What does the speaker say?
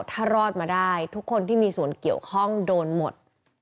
ถ้ารอดมาได้ทุกคนที่มีส่วนเกี่ยวข้องโดนหมด